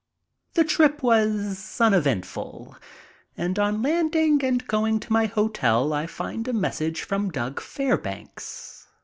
The trip was uneventful, and on land ing and going to my hotel I find a message from Doug Fairbanks.